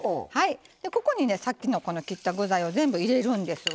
ここにさっきの切った具材を全部、入れるんですわ。